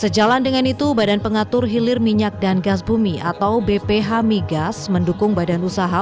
sejalan dengan itu badan pengatur hilir minyak dan gas bumi atau bph migas mendukung badan usaha